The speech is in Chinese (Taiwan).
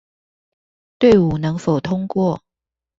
隊伍能否通過